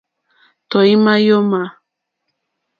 Tɔ̀ímá yǒmà.